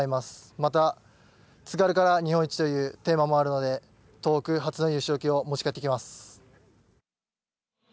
また、津軽から日本一というテーマもあるので東北初の優勝旗を持ち帰ってきます。